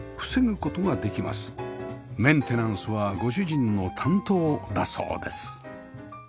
メンテナンスはご主人の担当だそうです